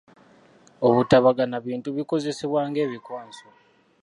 Obutagabana bintu bikozesebwa ng'ebikwanso.